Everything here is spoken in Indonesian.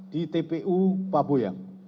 di tpu paboyang